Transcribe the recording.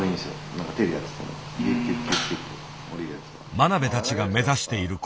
真鍋たちが目指している事。